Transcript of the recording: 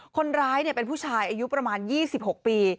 คนร้ายเป็นผู้ชายอายุประมาณ๒๖ปี